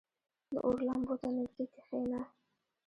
• د اور لمبو ته نږدې کښېنه.